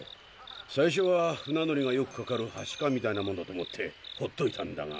最初は船乗りがよくかかるはしかみたいなもんだと思ってほっといたんだが。